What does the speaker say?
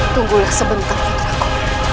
tunggulah sebentar putraku